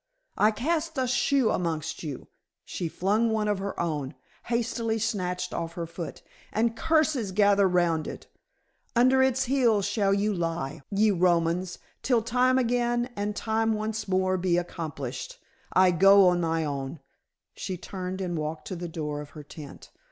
I cast a shoe amongst you," she flung one of her own, hastily snatched off her foot "and curses gather round it. Under its heels shall you lie, ye Romans, till time again and time once more be accomplished. I go on my own," she turned and walked to the door of her tent.